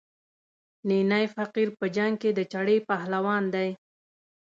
نینی فقیر په جنګ کې د چړې پهلوان دی.